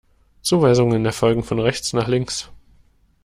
Zuweisungen erfolgen von rechts nach links.